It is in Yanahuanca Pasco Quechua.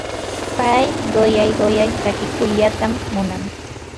pay quyay quyay takikuyllatam munan.